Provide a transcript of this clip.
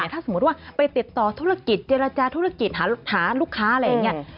ถ้าสมมุติว่าไปติดต่อธุรกิจเจรจาธุรกิจหาลูกค้าอะไรอย่างนี้